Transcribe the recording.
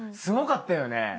すごかったよね。